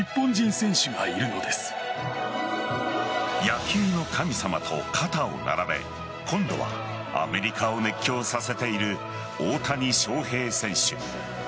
野球の神様と肩を並べ今度はアメリカを熱狂させている大谷翔平選手。